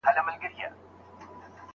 شاګرد به خپله څېړنه ډېر ژر بشپړه کړي.